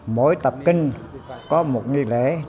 mỗi tập kinh có một nghi lễ